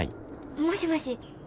もしもし。